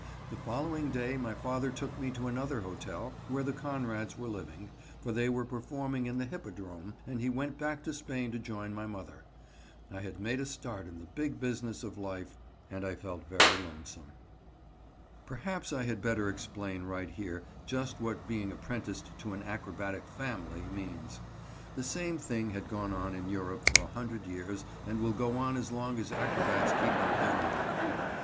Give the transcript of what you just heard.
The following day my father took me to another hotel where the Conrads were living, for they were performing in the Hippodrome, and he went back to Spain to join my mother. I had made a start in the big business of life and I felt very lonesome. Perhaps I had better explain right here just what being apprenticed to an acrobatic "family" means. The same thing has gone on in Europe for a hundred years and will go on as long as acrobats keep up their work.